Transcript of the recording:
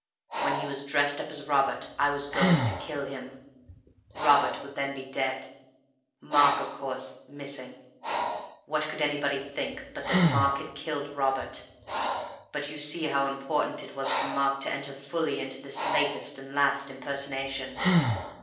When he was dressed up as Robert, I was going to kill him. Robert would then be dead, Mark (of course) missing. What could anybody think but that Mark had killed Robert? But you see how important it was for Mark to enter fully into his latest (and last) impersonation.